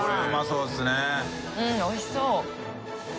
うんおいしそう。